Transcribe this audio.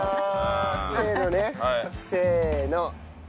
せーのねせーの。